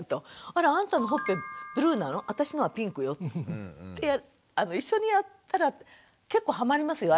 「あらあなたのほっぺブルーなの私のはピンクよ」って一緒にやったら結構ハマりますよ。